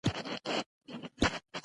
پیاله د خوښۍ ناڅاپي احساس لري.